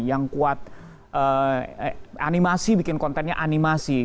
yang kuat animasi bikin kontennya animasi